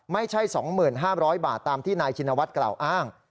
ไม่ใช่๒๕๐๐บาทตามที่นายชินวัฒน์กล่าวอ้าง